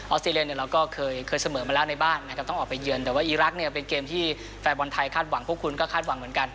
ซีเรียเนี่ยเราก็เคยเสมอมาแล้วในบ้านนะครับต้องออกไปเยือนแต่ว่าอีรักษ์เนี่ยเป็นเกมที่แฟนบอลไทยคาดหวังพวกคุณก็คาดหวังเหมือนกัน